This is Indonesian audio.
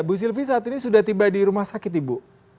bu sylvi saat ini sudah tiba di rumah sakit ibu